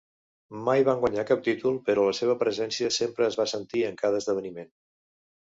Mai van guanyar cap títol, però la seva presència sempre es va sentir en cada esdeveniment.